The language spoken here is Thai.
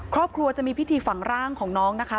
ครอบครัวจะมีพิธีฝังร่างของน้องนะคะ